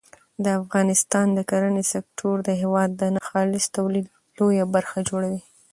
د افغانستان د کرنې سکتور د هېواد د ناخالص تولید لویه برخه جوړوي.